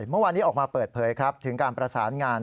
เมื่อวานนี้ออกมาเปิดเผยครับถึงการประสานงาน